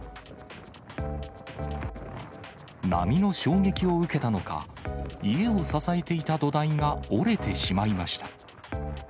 波の衝撃を受けたのか、家を支えていた土台が折れてしまいました。